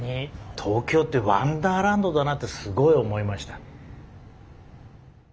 東京ってワンダーランドだなってすごい思いました。